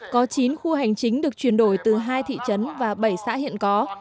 có chín khu hành chính được chuyển đổi từ hai thị trấn và bảy xã hiện có